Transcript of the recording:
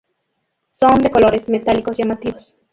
Son de colores metálicos llamativos.